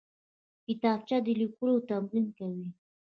کتابچه د لیکلو تمرین کوي